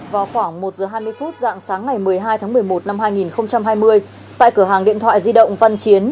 vào khoảng một giờ hai mươi phút dạng sáng ngày một mươi hai tháng một mươi một năm hai nghìn hai mươi tại cửa hàng điện thoại di động văn chiến